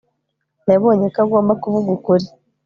yabonye ko agomba kuvuga ukuri